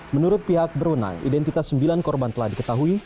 menurut pihak berwenang identitas sembilan korban telah diketahui